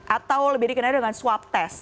atau lebih dikenal dengan swab test